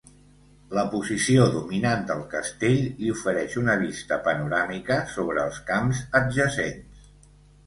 La posició dominant del castell li ofereix una vista panoràmica sobre els camps adjacents.